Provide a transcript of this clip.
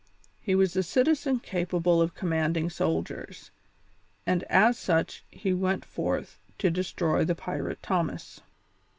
He was a citizen capable of commanding soldiers, and as such he went forth to destroy the pirate Thomas.